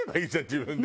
自分で。